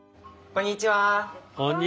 こんにちは。